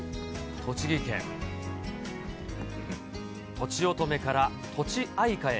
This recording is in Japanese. とちおとめから、とちあいかへ。